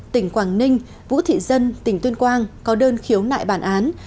tỉnh quảng ninh vũ thị dân tỉnh tuyên quang có đơn khiếu nại bản án